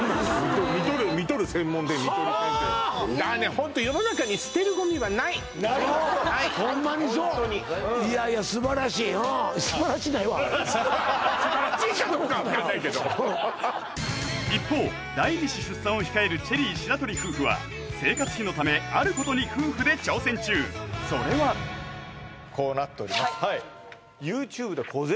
ホントホンマにそうホントに素晴らしいかどうかはわかんないけど一方第二子出産を控えるチェリー白鳥夫婦は生活費のためあることに夫婦で挑戦中それはこうなっております